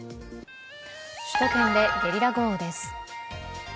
首都圏でゲリラ豪雨です。